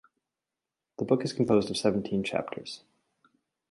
The book is composed of seventeen chapters.